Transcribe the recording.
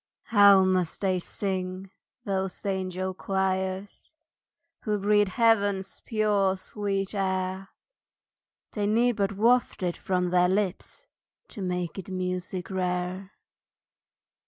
HOW must they sing, those angel choirs, Who breathe Heaven's pure, sweet air! They need but waft it from their lips To make it music rare.